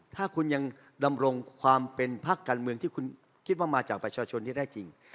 ถ้าคุณยังดำรงความเป็นพักการเมืองที่คุณคิดว่ามาจากประชาชนที่ได้จริง